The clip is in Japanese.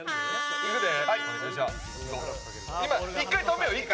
いくで。